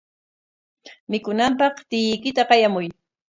Mikunanpaq tiyuykita qayamuy.